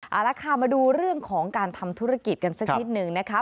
เอาละค่ะมาดูเรื่องของการทำธุรกิจกันสักนิดนึงนะคะ